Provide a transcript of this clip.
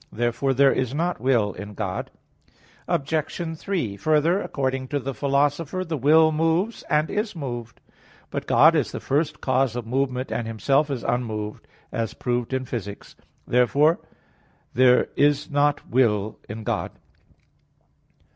Therefore there is not will in God. Obj. 3: Further, according to the Philosopher (De Anima iii, 54), the will moves, and is moved. But God is the first cause of movement, and Himself is unmoved, as proved in Phys. viii, 49. Therefore there is not will in God.